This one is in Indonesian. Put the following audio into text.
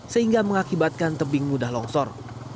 sehingga mengakibatkan tebing mudah longsor